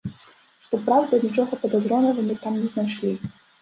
Што праўда, нічога падазронага мы там не знайшлі.